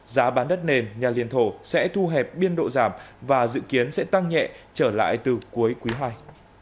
giá bán đất nền nhà liền thổ sẽ thu hẹp biên độ giảm và dự kiến sẽ tăng nhẹ trở lại từ cuối quý ii